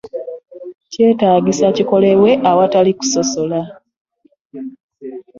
Kyetaagisa kikolebwe awatali kusosola.